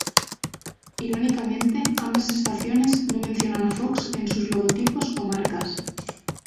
Irónicamente, ambas estaciones no mencionan a Fox en sus logotipos o marcas.